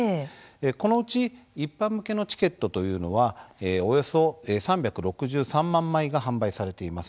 このうち一般向けのチケットというのはおよそ３６３万枚が販売されています。